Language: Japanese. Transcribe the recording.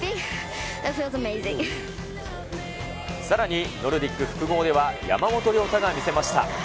さらに、ノルディック複合では山本涼太が見せました。